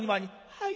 「はい。